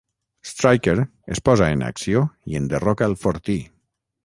Stryker es posa en acció i enderroca el fortí.